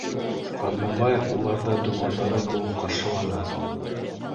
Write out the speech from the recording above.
Ҡаҙнабаев уларҙы туғандары кеүек ҡаршыланы: